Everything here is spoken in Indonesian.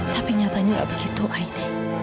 tapi nyatanya nggak begitu id